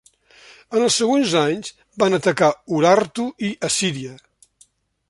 En els següents anys van atacar Urartu i Assíria.